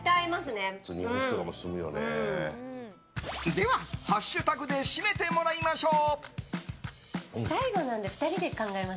では、ハッシュタグで締めてもらいましょう。